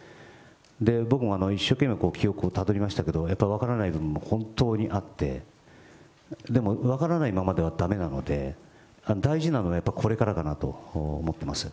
僕も一生懸命記憶をたどりましたけど、やっぱり分からない部分も本当にあって、でも分からないままではだめなので、大事なのはこれからだなと思ってます。